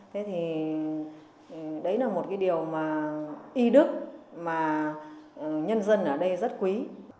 thế thì đấy là một cái điều mà y đức mà nhân dân ở đây rất quý